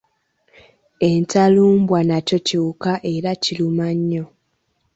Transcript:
Entalumbwa nakyo kiwuka era kiruma nnyo.